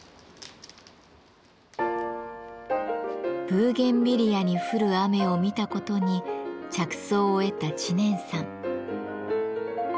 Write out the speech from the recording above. ブーゲンビリアに降る雨を見たことに着想を得た知念さん。